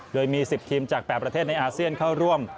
โดยมี๑๐ทีมจาก๘ประเทศในอาเซียนเข้าร่วม